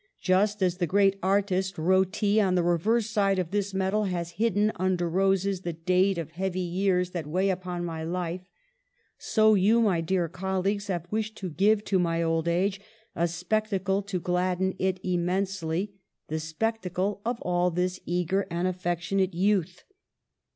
Just as the great artist, Roty, on the reverse side of this medal, has hidden under roses the date of heavy years that weigh upon my life, so you, my dear colleagues, have wished to give to my old age a spectacle to gladden it immensely, the spectacle of all this eager and affectionate youth."